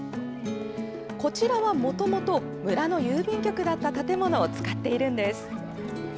こちらは、もともと村の郵便局だった建物を使っているんです。